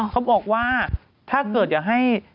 เขาบอกว่าถ้าเกิดอยากให้